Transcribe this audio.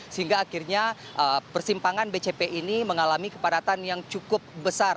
sehingga akhirnya persimpangan bcp ini mengalami kepadatan yang cukup besar